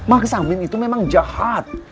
bang samin itu memang jahat